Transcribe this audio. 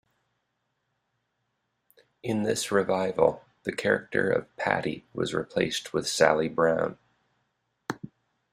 In this revival, the character of Patty was replaced with Sally Brown.